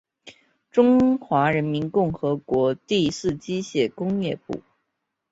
中华人民共和国第四机械工业部。